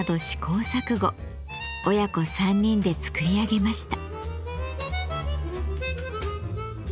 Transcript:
親子３人で作り上げました。